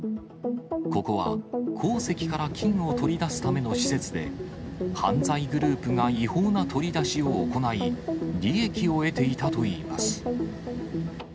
ここは鉱石から金を取り出すための施設で、犯罪グループが違法な取り出しを行い、利益を得ていたといいます。